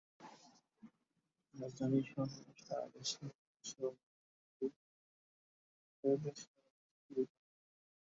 রাজধানীসহ সারা দেশে তাদের সেবাকেন্দ্র থাকলে ক্রেতাদের সেবা পেতে সুবিধা হবে।